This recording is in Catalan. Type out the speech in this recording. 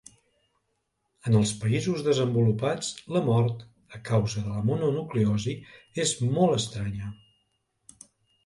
En els països desenvolupats la mort a causa de la mononucleosi és molt estranya.